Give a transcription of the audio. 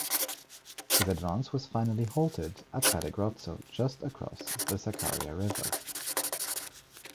His advance was finally halted at Kale-Grotso, just across the Sakarya River.